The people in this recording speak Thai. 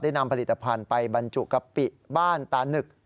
นำผลิตภัณฑ์ไปบรรจุกะปิบ้านตานึก